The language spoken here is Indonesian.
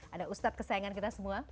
ada ustadz kesayangan kita semua